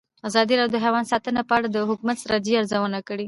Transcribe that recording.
ازادي راډیو د حیوان ساتنه په اړه د حکومتي ستراتیژۍ ارزونه کړې.